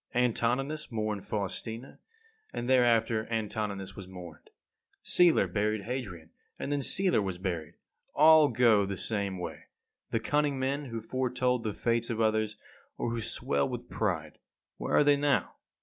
Antoninus mourned Faustina, and thereafter Antoninus was mourned. Celer buried Hadrian, and then Celer was buried. All go the same way. The cunning men who foretold the fates of others, or who swelled with pride where are they now?